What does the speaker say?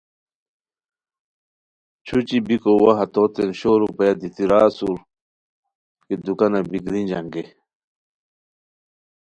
چھوچھی بیکو وا ہتوتین شور روپیہ دیتی را اسور کی دوکانہ بی گرینج انگیئے